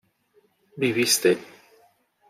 ¿viviste?